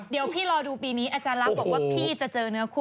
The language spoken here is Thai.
เดี๋ยวพี่รอดูปีนี้อาจารย์ลักษณ์บอกว่าพี่จะเจอเนื้อคู่